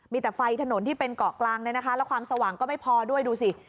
มีแต่ไฟถนนที่เป็นเกาะกลางเลยนะคะแล้วความสว่างก็ไม่พอด้วยดูสิ